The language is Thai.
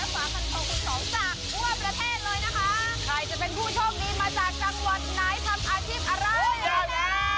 พูดได้แล้ว